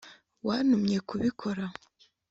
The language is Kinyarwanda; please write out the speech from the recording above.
wantumye kubikora